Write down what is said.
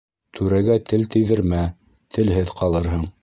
Түрәгә тел тейҙермә, телһеҙ ҡалырһың.